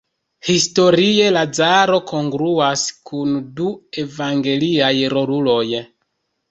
Historie Lazaro kongruas kun du evangeliaj roluloj.